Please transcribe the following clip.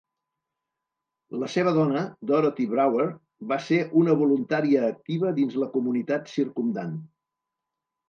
La seva dona, Dorothy Brower, va ser una voluntària activa dins la comunitat circumdant.